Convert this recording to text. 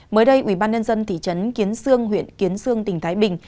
mới đây ubnd thị trấn kiến sương huyện kiến sương tỉnh thái bình